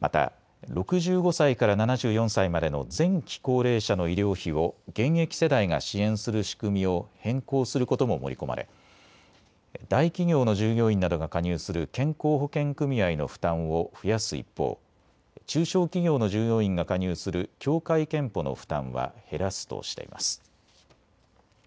また６５歳から７４歳までの前期高齢者の医療費を現役世代が支援する仕組みを変更することも盛り込まれ大企業の従業員などが加入する健康保険組合の負担を増やす一方、中小企業の従業員が加入する協会けんぽの負担は減らすとしています。